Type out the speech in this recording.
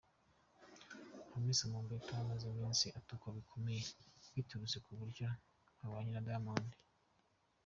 Hamisa Mobeto amaze iminsi atukwa bikomeye biturutse ku buryo abanye na Diamond.